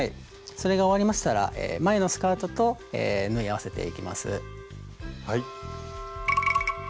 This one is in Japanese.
それが終わりましたら前のスカートと縫い合わせていきます。